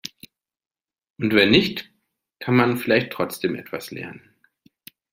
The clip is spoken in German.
Und wenn nicht, kann man vielleicht trotzdem etwas lernen.